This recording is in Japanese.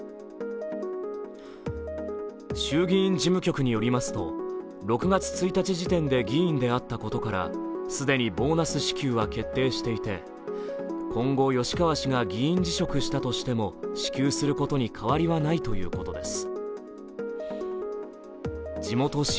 衆議院事務局によりますと、６月１日時点で議員であったことから、既にボーナス支給は決定していて今後、吉川氏が議員辞職したとしても支給することに変わりはないということです。